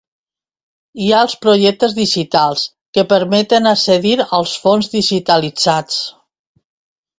Hi ha els Projectes Digitals, que permeten accedir als fons digitalitzats.